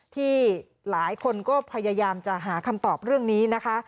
ที่หลายคนก็พยายามจะหาคำตอบเรื่องนี้นะคะ